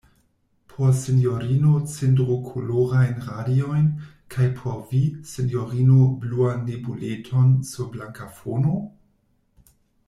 Por sinjorino cindrokolorajn radiojn, kaj por vi, sinjorino, bluan nebuleton sur blanka fono?